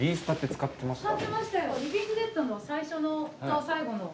使ってましたよ。